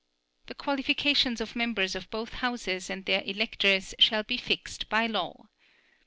The qualifications of members of both Houses and their electors shall be fixed by law.